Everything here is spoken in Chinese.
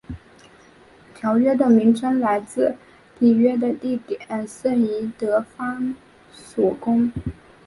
条约的名称来自缔约的地点圣伊德方索宫。